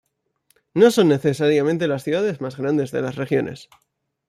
No son necesariamente las ciudades más grandes de las regiones.